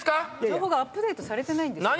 情報アップデートされてない。